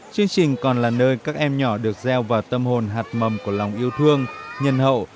chương trình còn là nơi các em nhỏ được gieo vào tâm hồn hạt mầm của lòng yêu thương nhân hậu